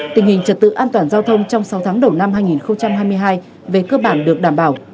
tình hình trật tự an toàn giao thông trong sáu tháng đầu năm hai nghìn hai mươi hai về cơ bản được đảm bảo